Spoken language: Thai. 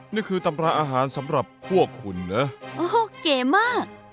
นี่คือตำราอาหารสำหรับพวกคุณนะโอ้โหเก๋มาก